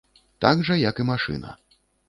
Так жа, як і машына.